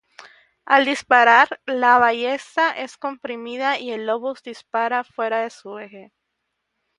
Al disparar, la ballesta es comprimida y el obús dispara fuera de su eje.